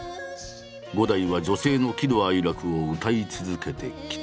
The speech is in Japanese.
伍代は女性の喜怒哀楽を歌い続けてきた。